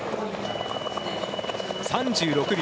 ３６秒。